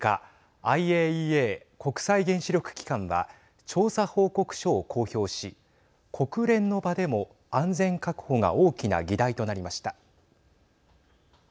６日ＩＡＥＡ＝国際原子力機関は調査報告書を公表し国連の場でも安全確保が大きな議題となりました。